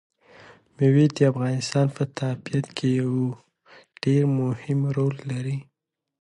مېوې د افغانستان په طبیعت کې یو ډېر مهم رول لري.